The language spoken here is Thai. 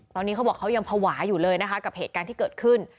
ตอนนี้เขาบอกเขายังภาวะอยู่เลยนะคะกับเหตุการณ์ที่เกิดขึ้น